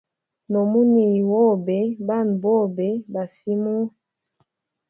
No muniya wobe bana bobe ba simuwe.